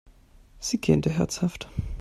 Sie gähnte herzhaft.